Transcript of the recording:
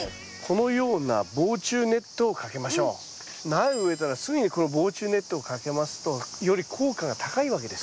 苗を植えたらすぐにこの防虫ネットをかけますとより効果が高いわけです。